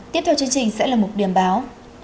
tiếp theo chương trình sẽ là một điểm báo